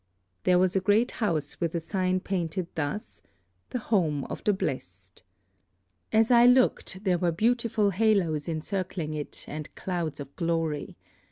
There was a great house with a sign painted thus, 'The Home of the Blessed.' As I looked, there were beautiful haloes encircling it, and clouds of glory.